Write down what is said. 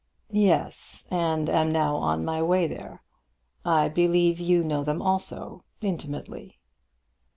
"Yes; and am now on my way there. I believe you know them also, intimately."